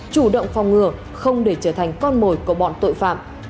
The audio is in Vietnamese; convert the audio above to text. chủ động phòng ngừa không để trở thành con mồi của bọn tội phạm